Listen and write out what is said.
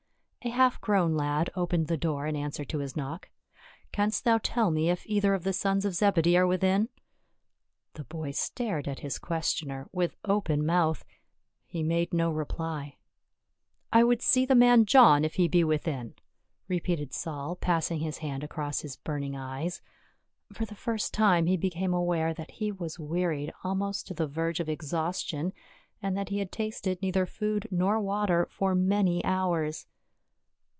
A half grown lad opened the door in answer to his knock. " Canst thou tell me if either of the sons of Zebedee are within ?" The boy stared at his ques tioner with open mouth. He made no reply. " I would see the man John, if he be within," repeated Saul, pass ing his hand across his burning eyes. For the first time he became aware that he was wearied almost to the verge of exhaustion, and that he had tasted neither food nor water for many hours.